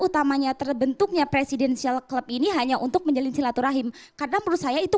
utamanya terbentuknya presidensial klub ini hanya untuk menjalin silaturahim karena perusahaan itu